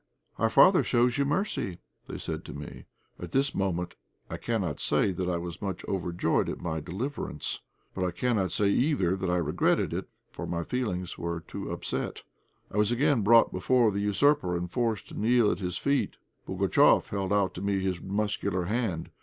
"Our father shows you mercy," they said to me. At this moment I cannot say that I was much overjoyed at my deliverance, but I cannot say either that I regretted it, for my feelings were too upset. I was again brought before the usurper and forced to kneel at his feet. Pugatchéf held out to me his muscular hand.